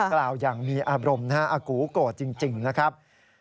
กล่าวยังมีอารมณ์อากูโกรธจริงนะครับ